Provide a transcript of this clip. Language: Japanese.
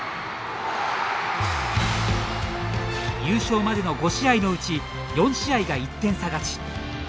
優勝までの５試合のうち４試合が１点差勝ち。